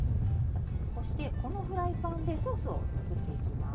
そしてこのフライパンでソースを作っていきます。